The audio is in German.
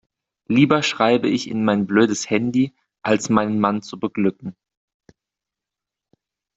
Lieber schreibe ich in mein blödes Handy, als meinen Mann zu beglücken.